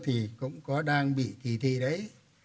thì cũng có đang bị kỳ thị đấy